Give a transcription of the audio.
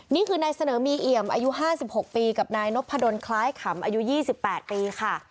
นี่คือนายเสนอมีเอี่ยมอายุ๕๖ปีกับนายนพดลคล้ายขำอายุ๒๘ปีค่ะ